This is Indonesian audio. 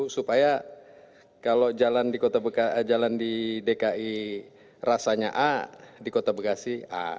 supaya kalau jalan di dki rasanya a di kota bekasi a